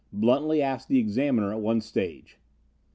bluntly asked the examiner at one stage.